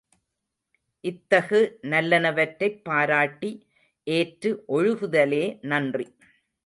இத்தகு நல்லனவற்றைப் பாராட்டி ஏற்று ஒழுகுதலே நன்றி.